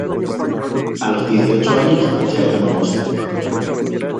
A los dieciocho años ya era famosa.